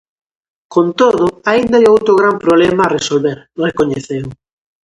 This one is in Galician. Con todo, aínda hai outro gran problema a resolver, recoñeceu.